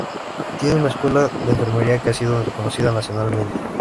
Tiene una escuela de enfermería que ha sido reconocida nacionalmente.